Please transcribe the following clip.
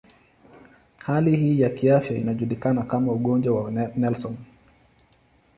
Hali hii ya kiafya inajulikana kama ugonjwa wa Nelson.